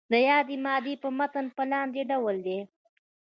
د یادې مادې متن په لاندې ډول دی.